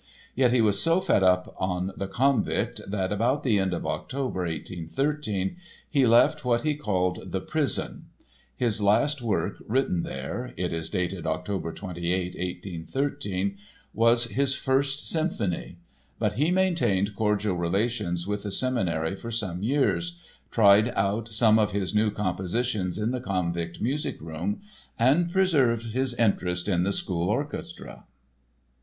Yet he was so fed up on the Konvikt that about the end of October, 1813, he left what he called the "prison." His last work written there (it is dated October 28, 1813) was his First Symphony. But he maintained cordial relations with the Seminary for some years, tried out some of his new compositions in the Konvikt music room and preserved his interest in the school orchestra.